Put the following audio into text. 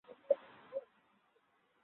ওসমান গনিকে অনেক অনুরোধ করেছি।